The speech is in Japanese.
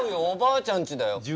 おばあちゃんちだよ。